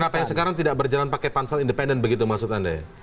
kenapa yang sekarang tidak berjalan pakai pansel independen begitu maksud anda ya